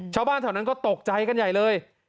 ชาวบ้านแถวนั้นก็ตกใจกันใหญ่เลย